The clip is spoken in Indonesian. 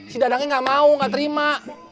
si dadangnya gak mau gak terima